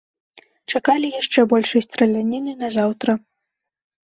Чакалі яшчэ большай страляніны назаўтра.